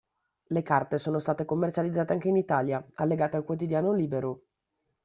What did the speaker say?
Le carte sono state commercializzate anche in Italia, allegate al quotidiano "Libero".